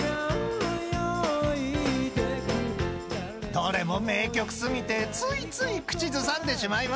［どれも名曲過ぎてついつい口ずさんでしまいますね］